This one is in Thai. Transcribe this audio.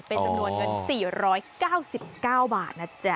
เป็นจำนวนเงิน๔๙๙บาทนะจ๊ะ